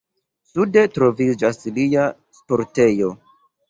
Sude troviĝas lia sportejo.